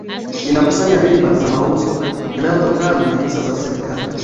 inakusanya riba za mauzo yanayotokana na hisa za serikali